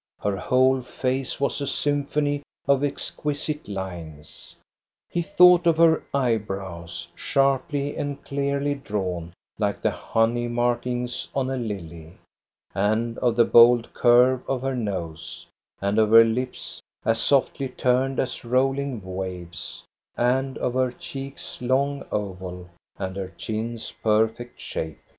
Her whole face was a symphony of exquisite lines. He thought of her eyebrows, sharply and clearly drawn like the honey markings on a lily, and of the bold curve of her nose, and of her lips, as softly turned as rolling waves, and of her cheek's long oval and her chin's perfect shape.